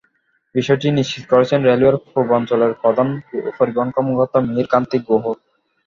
বিষয়টি নিশ্চিত করেছেন রেলওয়ের পূর্বাঞ্চলের প্রধান পরিবহন কর্মকর্তা মিহির কান্তি গুহ।